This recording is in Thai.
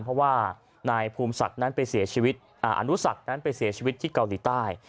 เพราะว่านายอันดุษัตริย์ไปเสียชีวิตที่เกาหลีใต้